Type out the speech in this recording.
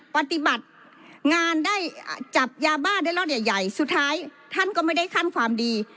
ปฏิบัติงานได้จับยาบ้าได้ล่อนใหญ่สุดท้ายท่านก็ไม่ได้ขั้นความดี